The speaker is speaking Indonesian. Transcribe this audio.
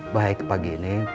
baik pagi ini